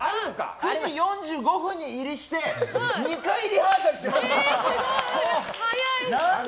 ９時４５分に入りして２回リハーサルしました。